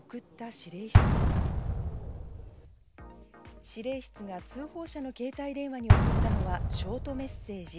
指令室が通報者の携帯電話に送ったのは、ショートメッセージ。